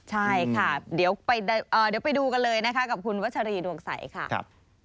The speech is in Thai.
ใช่ค่ะเดี๋ยวไปดูกันเลยนะคะกับคุณวัชรีดวงใสค่ะ